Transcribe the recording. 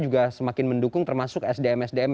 juga semakin mendukung termasuk sdm sdm